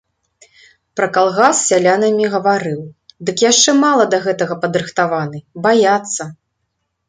Пра калгас з сялянамі гаварыў, дык яшчэ мала да гэтага падрыхтаваны, баяцца.